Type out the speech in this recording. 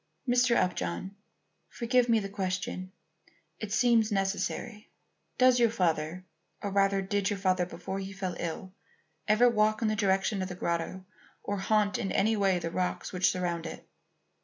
"Mr. Upjohn, forgive me the question; it seems necessary. Does your father or rather did your father before he fell ill ever walk in the direction of the grotto or haunt in any way the rocks which surround it?"